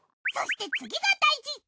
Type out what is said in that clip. そして次が大事！